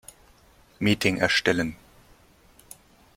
Meeting erstellen.